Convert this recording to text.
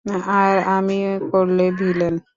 আর আমি করলে ভিলেন।